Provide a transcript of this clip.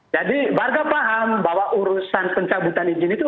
jadi warga paham bahwa urusan pencabutan izin itu